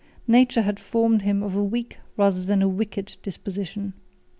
7 Nature had formed him of a weak rather than a wicked disposition.